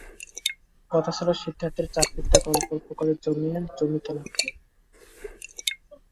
কথা ছিল সিদ্ধার্থের চাকরির টাকা অল্প অল্প করে জমিয়ে জমি কেনা হবে।